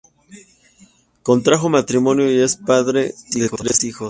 Contrajo matrimonio y es padre de tres hijos.